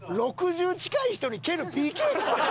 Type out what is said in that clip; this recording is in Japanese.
６０近い人に蹴るＰＫかお前。